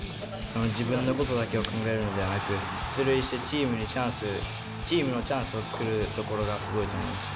自分のことだけを考えるのではなく、出塁してチームにチャンス、チームのチャンスを作るところがすごいと思いました。